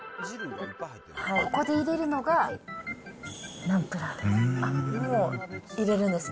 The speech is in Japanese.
ここで入れるのが、ナンプラーです。